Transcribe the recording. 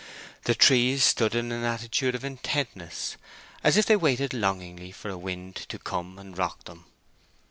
The trees stood in an attitude of intentness, as if they waited longingly for a wind to come and rock them.